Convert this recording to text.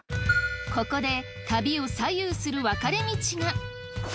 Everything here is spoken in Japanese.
ここで旅を左右する分かれ道が。